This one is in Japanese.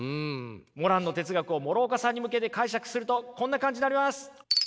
モランの哲学を諸岡さんに向けて解釈するとこんな感じになります。